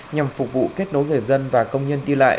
nhằm phục vụ kết nối người dân và công nhân đi lại